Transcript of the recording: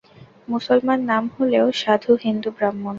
মুসলমান নাম হলেও সাধু হিন্দু ব্রাহ্মণ।